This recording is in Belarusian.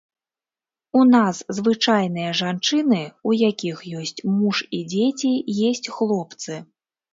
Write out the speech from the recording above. У нас звычайныя жанчыны, у якіх ёсць муж і дзеці, есць хлопцы.